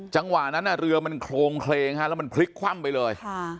จังหวะนั้นเรือมันโครงเคลงแล้วมันพลิกคว่ำไปเลย